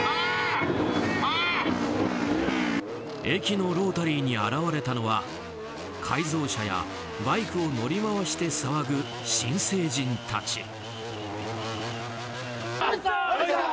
駅のロータリーに現れたのは改造車やバイクを乗り回して騒ぐ新成人たち。